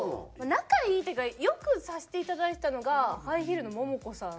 仲いいというか良くさせていただいてたのがハイヒールのモモコさんで。